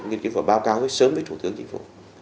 nghiên cứu và báo cáo với sớm với thủ tướng chính phủ